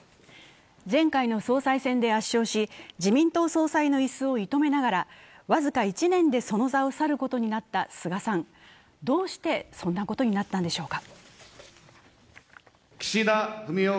前回の総裁選で圧勝し、自民党総裁の椅子を射止めながら、僅か１年でその座を去ることになった菅さん、どうしてそんなことになったんでしょうか。